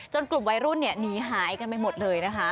กลุ่มวัยรุ่นหนีหายกันไปหมดเลยนะคะ